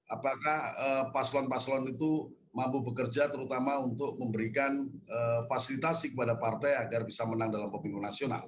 apakah paslon paslon itu mampu bekerja terutama untuk memberikan fasilitasi kepada partai agar bisa menang dalam pemilu nasional